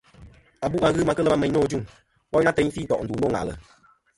Abu' a ghɨ ma kɨ lema meyn nô ajuŋ, woyn a ateyn fi tò' ndu nô ŋwà'lɨ.